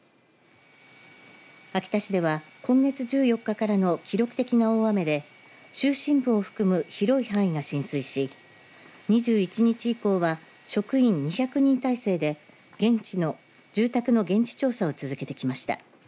秋田市では今月１４日からの記録的な大雨で中心部を含む広い範囲が浸水し２１日以降は職員２００人態勢で住宅の現地調査を続けてきました。